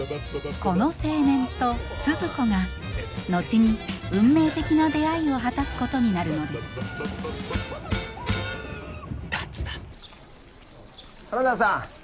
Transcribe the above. この青年とスズ子が後に運命的な出会いを果たすことになるのです花田さん